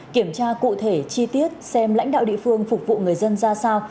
kiểm tra cụ thể chi tiết xem lãnh đạo địa phương phục vụ người dân ra sao